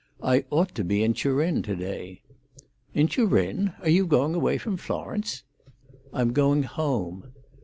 "I ought to be in Turin to day." "In Turin! Are you going away from Florence?" "I'm going home."